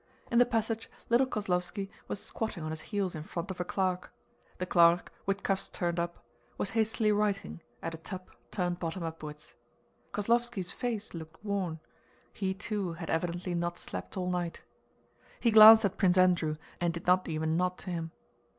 In the passage little Kozlóvski was squatting on his heels in front of a clerk. The clerk, with cuffs turned up, was hastily writing at a tub turned bottom upwards. Kozlóvski's face looked worn—he too had evidently not slept all night. He glanced at Prince Andrew and did not even nod to him.